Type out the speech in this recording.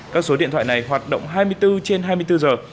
các số điện thoại này hoạt động hai mươi bốn trên hai mươi bốn giờ